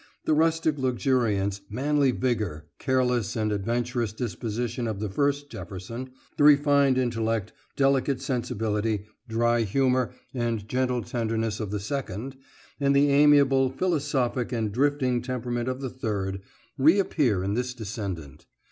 The rustic luxuriance, manly vigour, careless and adventurous disposition of the first Jefferson; the refined intellect, delicate sensibility, dry humour, and gentle tenderness of the second; and the amiable, philosophic, and drifting temperament of the third, reappear in this descendant.